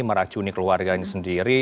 meracuni keluarganya sendiri